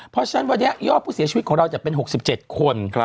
เพราะฉะนั้นวันนี้ยอดผู้เสียชีวิตของเราจะเป็น๖๗คน